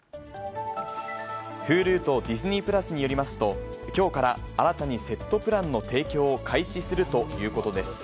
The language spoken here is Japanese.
ＨｕｌｕとＤｉｓｎｅｙ＋によりますと、きょうから新たにセットプランの提供を開始するということです。